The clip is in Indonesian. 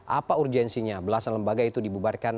apa urgensinya belasan lembaga itu dibubarkan